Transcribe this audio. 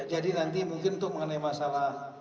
jadi nanti mungkin untuk mengenai masalah